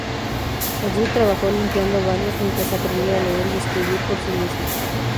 Allí, trabajó limpiando baños, mientras aprendía a leer y escribir por sí misma.